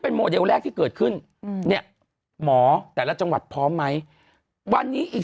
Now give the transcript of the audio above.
โมเดลแรกที่เกิดขึ้นอืมเนี่ยหมอแต่ละจังหวัดพร้อมไหมวันนี้อีก